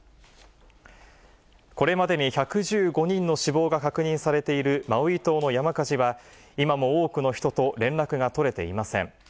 これまでに１１５人の死亡が確認されているマウイ島の山火事は今も多くの人と連絡が取れていません。